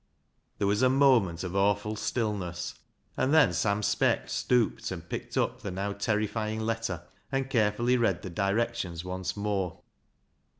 There was a moment of awful stillness, and then Sam Speck stooped and picked up the now terrifying letter, and carefully read the directions once more.